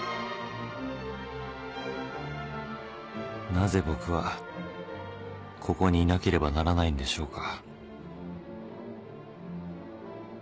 ［なぜ僕はここにいなければならないんでしょうか？］